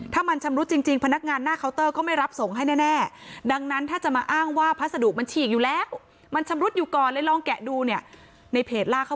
ถ้ามันชำรุดจริงพนักงานหน้าเคาน์เตอร์ก็ไม่รับส่งให้แน่